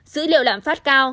dữ liệu lãm phát cao